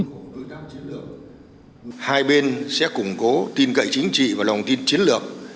hai bên sẽ củng cố tin cậy chính trị và lòng tin chiến lược